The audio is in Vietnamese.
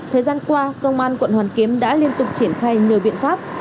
thời gian qua công an quận hoàn kiếm đã liên tục triển khai nhiều biện pháp